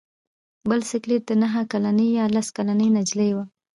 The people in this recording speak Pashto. بل سکلیټ د نهه کلنې یا لس کلنې نجلۍ و.